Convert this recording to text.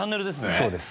そうです。